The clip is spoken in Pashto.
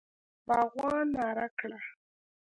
باغوان ناره کړه!